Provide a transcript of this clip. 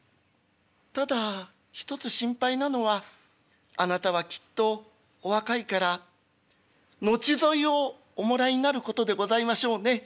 ただ１つ心配なのはあなたはきっとお若いから後添いをおもらいになることでございましょうね。